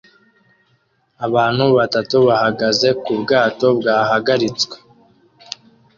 Abantu batatu bahagaze ku bwato bwahagaritswe